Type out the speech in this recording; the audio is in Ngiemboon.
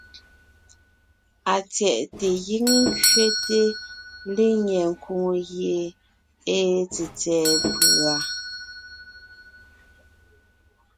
Atsyɛ̀ʼte giŋ kẅete lenyɛ nkwòŋo gie èe tsètsɛ̀ɛ pʉ̀a.